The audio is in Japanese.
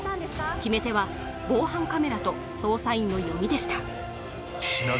決め手は防犯カメラと捜査員の読みでした。